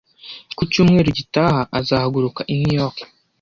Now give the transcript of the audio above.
Ku cyumweru gitaha, azahaguruka i New York.